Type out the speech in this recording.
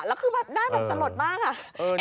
แล้วคือหน้าแบบสะหรดมากอ่ะ